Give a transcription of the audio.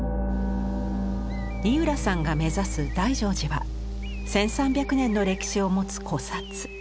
井浦さんが目指す大乗寺は１，３００年の歴史を持つ古刹。